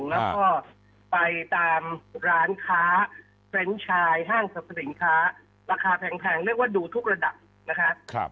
แล้วก็ไปตามร้านค้าเฟรนด์ชายห้างสรรพสินค้าราคาแพงเรียกว่าดูทุกระดับนะคะ